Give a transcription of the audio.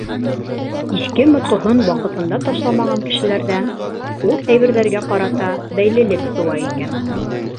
Иҫке-моҫҡоһон ваҡытында ташламаған кешеләрҙә ул әйберҙәргә ҡарата бәйлелек тыуа икән.